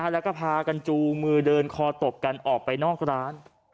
แล้วก็พากันจูงมือเดินคอตบกันออกไปนอกร้าน